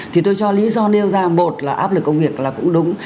thì tôi cho lý do nêu ra một là áp lực công việc là cũng đúng